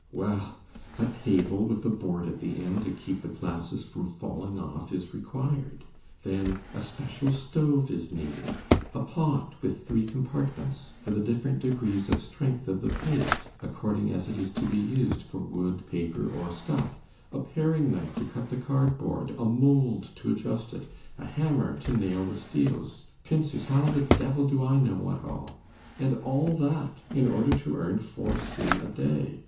Well! A table with a board at the end to keep the glasses from falling off is required, then a special stove is needed, a pot with three compartments for the different degrees of strength of the paste, according as it is to be used for wood, paper, or stuff, a paring knife to cut the cardboard, a mould to adjust it, a hammer to nail the steels, pincers, how the devil do I know what all? And all that in order to earn four sous a day!